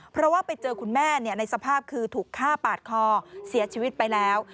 เพราะว่าไปเจอคุณแม่ในสภาพคือถูกฆ่าปาดคอเสียชีวิตไปแล้ว